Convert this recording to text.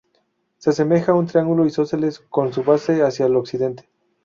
Se asemeja a un triángulo isósceles con su base hacia el occidente.